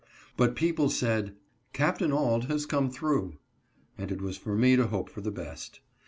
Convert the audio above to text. But people said, " Capt. Auld has come through," and it was for me to hope for the best.